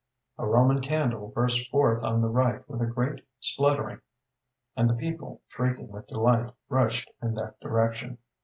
A Roman candle burst forth on the right with a great spluttering, and the people, shrieking with delight, rushed in that direction.